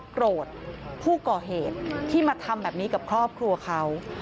โกรธผู้ก่อเหตุที่มาทำแบบนี้กับครอบครัวเขา